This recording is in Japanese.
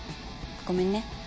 ごめんね。